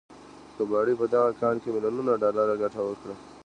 کباړي په دغه کان کې ميليونونه ډالر ګټه وكړه.